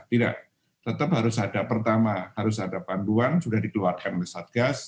tidak tetap harus ada pertama harus ada panduan sudah dikeluarkan oleh satgas